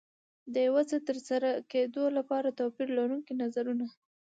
د یو څه ترسره کېدو لپاره توپير لرونکي نظرونه.